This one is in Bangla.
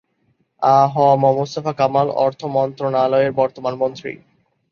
আ হ ম মোস্তফা কামাল অর্থ মন্ত্রণালয়ের বর্তমান মন্ত্রী।